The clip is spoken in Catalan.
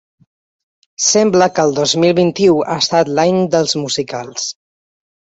Sembla que el dos mil vint-i-u ha estat l’any dels musicals.